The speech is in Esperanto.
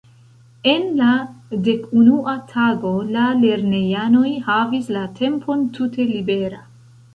En la dekunua tago la lernejanoj havis la tempon tute libera.